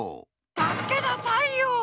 たすけなさいよ！